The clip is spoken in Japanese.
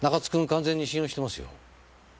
完全に信用してますよ。